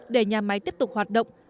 để nhà máy tiếp tục hoạt động